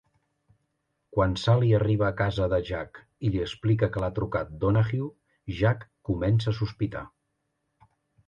Quan Sally arriba a casa de Jack i li explica que l'ha trucat Donahue, Jack comença a sospitar.